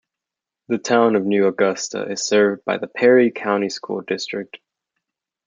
The Town of New Augusta is served by the Perry County School District.